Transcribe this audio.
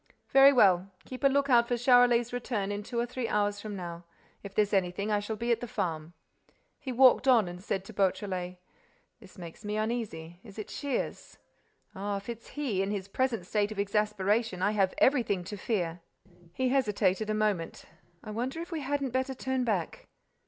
"Very well. Keep a lookout for Charolais's return in two or three hours from now. If there's anything, I shall be at the farm." He walked on and said to Beautrelet: "This makes me uneasy—is it Shears? Ah, if it's he, in his present state of exasperation, I have everything to fear!" He hesitated a moment: "I wonder if we hadn't better turn back.